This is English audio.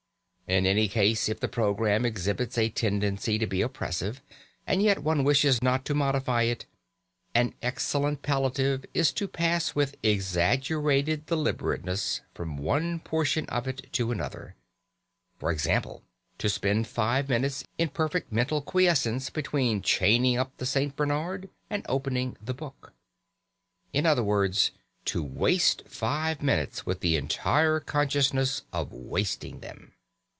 In any case, if the programme exhibits a tendency to be oppressive, and yet one wishes not to modify it, an excellent palliative is to pass with exaggerated deliberation from one portion of it to another; for example, to spend five minutes in perfect mental quiescence between chaining up the St. Bernard and opening the book; in other words, to waste five minutes with the entire consciousness of wasting them.